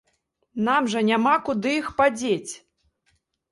Нам жа няма куды іх падзець!